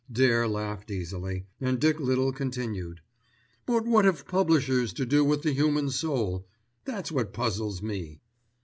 Dare laughed easily, and Dick Little continued. "But what have publishers to do with the human soul? That's what puzzles me."